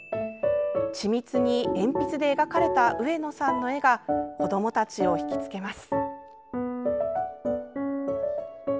緻密に鉛筆で描かれた上野さんの絵が子どもたちをひきつけます。